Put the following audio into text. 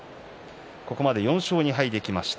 ここまで４勝２敗できました。